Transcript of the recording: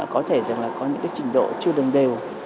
có thể rằng là có những cái trình độ chưa đồng đều